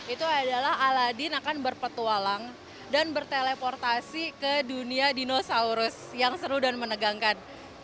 itu adalah aladin akan berpetualang dan berteleportasi ke dunia dinosaurus yang seru dan menegangkan